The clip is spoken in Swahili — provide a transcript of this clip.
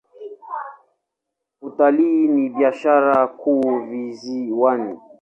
Utalii ni biashara kuu visiwani.